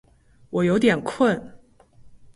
我有点困